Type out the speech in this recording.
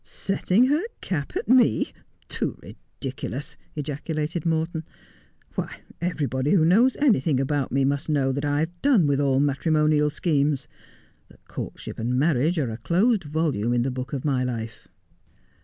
' Setting her cap at me ! Too ridiculous !' ejaculated Morton. 'Why, everybody who knows anything about me must know that I have done with all matrimonial schemes — that courtship and marriage are a closed volume in the book of my life.'